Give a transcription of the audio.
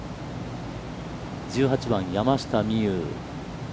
１８番、山下美夢有。